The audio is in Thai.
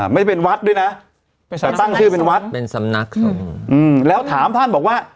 ไม่ได้เป็นวัดด้วยนะแต่ตั้งชื่อเป็นวัดเป็นสำนักแล้วถามท่านบอกว่า